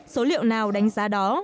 số liệu nào đánh giá đó